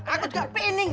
aku juga pening